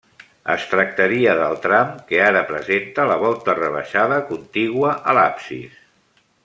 Es tractaria del tram que ara presenta la volta rebaixada, contigua a l'absis.